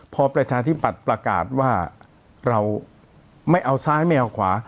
พอประชาธิบัติประกาศว่าเราไม่เอาซ้ายไม่เอาขวา